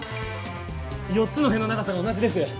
４つの辺の長さが同じです。